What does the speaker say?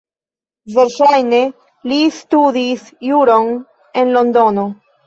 Verŝajne li studis juron en Londono.